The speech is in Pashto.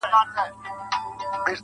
يارانو دا بې وروره خور، په سړي خوله لگوي